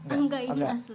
enggak ini asli